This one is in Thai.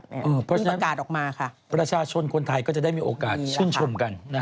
เพราะฉะนั้นประกาศออกมาค่ะประชาชนคนไทยก็จะได้มีโอกาสชื่นชมกัน